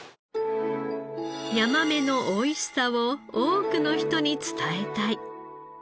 ヤマメのおいしさを多くの人に伝えたい。